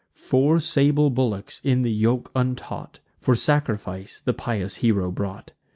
Four sable bullocks, in the yoke untaught, For sacrifice the pious hero brought.